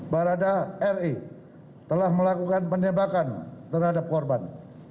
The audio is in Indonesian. barada re telah melakukan penembakan terhadap korban